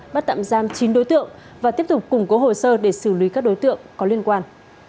bắt tạm giam chín đối tượng và tiếp tục củng cố hồ sơ để xử lý các đối tượng có liên quan